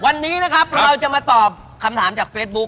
วันนี้นะครับเราจะมาตอบคำถามจากเฟซบุ๊ค